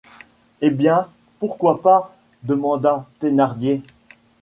Eh bien! pourquoi pas? demanda Thénardier.